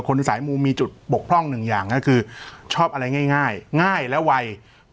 สายมูมีจุดบกพร่องหนึ่งอย่างก็คือชอบอะไรง่ายง่ายและวัย